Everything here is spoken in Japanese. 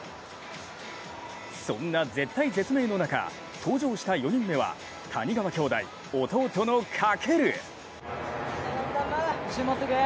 そんな絶体絶命の中登場した４人目は谷川兄弟、弟の翔。